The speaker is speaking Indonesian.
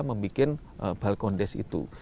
membikin balkon desk itu